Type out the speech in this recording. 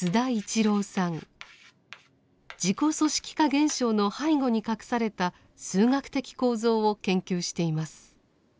自己組織化現象の背後に隠された数学的構造を研究しています。